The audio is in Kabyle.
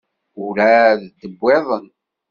Ur εad d-wwiḍen.